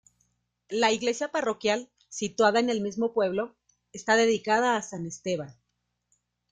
La iglesia parroquial, situada en el mismo pueblo, está dedicada a San Esteban.